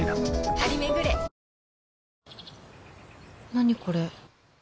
何これ？